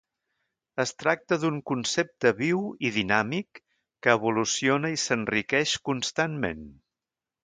Es tracta d'un concepte viu i dinàmic, que evoluciona i s'enriqueix constantment.